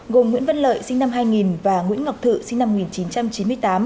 gồm nguyễn văn lợi sinh năm hai nghìn và nguyễn ngọc thự sinh năm một nghìn chín trăm chín mươi tám